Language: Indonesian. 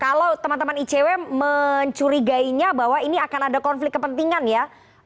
kalau teman teman icw mencurigainya bahwa ini akan ada konflik kepentingan ya